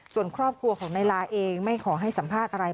ส่วนครอบครัวของนายลาเองไม่ขอให้สัมภาษณ์อะไร